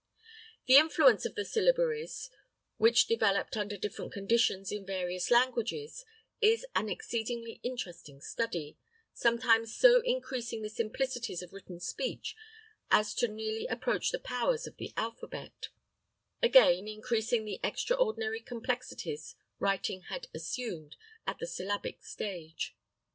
The influence of the syllabaries which developed under different conditions in various languages is an exceedingly interesting study, sometimes so increasing the simplicities of written speech as to nearly approach the powers of the alphabet; again, increasing the extraordinary complexities writing had assumed at the syllabic stage.